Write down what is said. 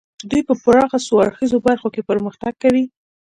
دوی په پراخه څو اړخیزو برخو کې پرمختګ کوي